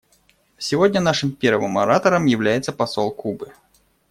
Сегодня нашим первым оратором является посол Кубы.